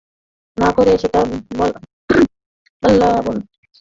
না রে সেটা বাবলা বন।